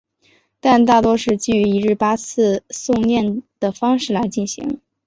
但大多是基于一日八次诵念的方式来进行。